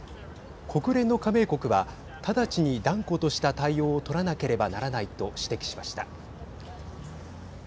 国連の加盟国は直ちに断固とした対応を取らなければならないと指摘しました。